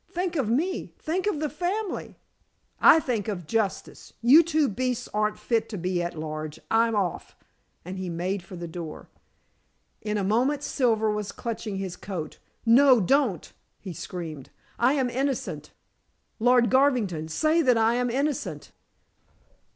"Think of me think of the family!" "I think of Justice! You two beasts aren't fit to be at large. I'm off," and he made for the door. In a moment Silver was clutching his coat. "No, don't!" he screamed. "I am innocent! Lord Garvington, say that I am innocent!"